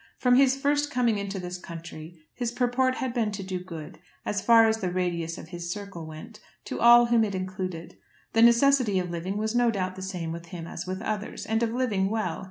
From his first coming into this country his purport had been to do good, as far as the radius of his circle went, to all whom it included. The necessity of living was no doubt the same with him as with others, and of living well.